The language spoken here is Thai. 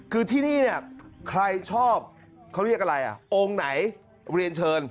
คือที่นี่เนี่ยใครชอบเขาเรียกอะไรอ่ะองค์ไหนเรียนเชิญ